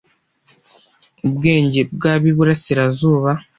Ubwenge bw ab iburasirazuba